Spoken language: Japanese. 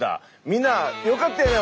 みんなよかったよね！